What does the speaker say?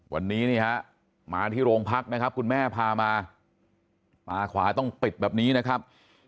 วันนี้นี่ฮะมาที่โรงพักนะครับคุณแม่พามาตาขวาต้องปิดแบบนี้นะครับ